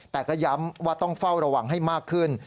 แต่ก็ย้ำว่าต้องเฝ้าระวังให้มากขึ้น